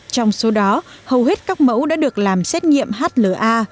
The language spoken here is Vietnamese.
trong số đó hầu hết các mẫu đã được làm xét nghiệm hla